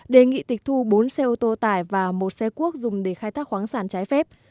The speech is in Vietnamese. đề nghị tịch thu bốn xe ô tô tải và một xe cuốc dùng để khai thác khoáng sản trái phép